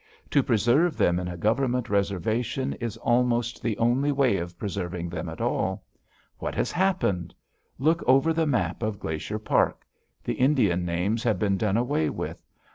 To preserve them in a Government reservation is almost the only way of preserving them at all. What has happened? Look over the map of Glacier Park. The Indian names have been done away with.